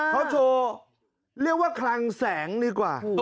เขาโชว์เรียกว่าคลังแสงดีกว่า